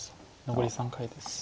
残り３回です。